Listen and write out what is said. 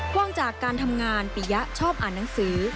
ว่างจากการทำงานปียะชอบอ่านหนังสือ